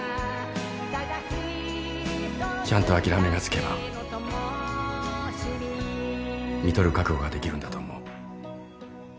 ちゃんと諦めがつけばみとる覚悟ができるんだと思う。